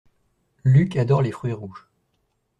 Luc adore les fruits rouges.